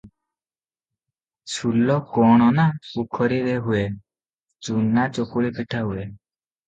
ସୁଲ କ’ଣ ନା, ପୋଖରୀରେ ହୁଏ, ଚୁନା ଚକୁଳି ପିଠା ହୁଏ ।